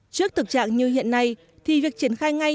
trước thực trạng như hiện nay thì việc triển khai ngay